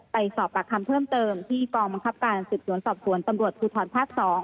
ไปสอบปากคำเพิ่มเติมที่กองบังคับการสืบสวนสอบสวนตำรวจภูทรภาค๒